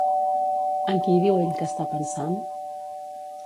En qui diu ell que està pensant?